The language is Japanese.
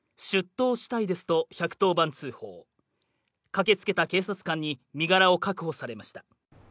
出頭したいですと１１０番通報駆けつけた警察官に身柄を確保されました